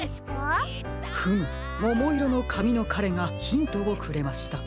フムももいろのかみのかれがヒントをくれました。